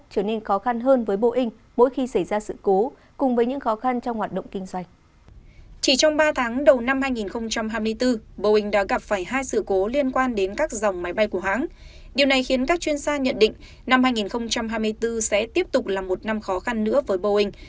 các chuyên gia nhận định năm hai nghìn hai mươi bốn sẽ tiếp tục là một năm khó khăn nữa với boeing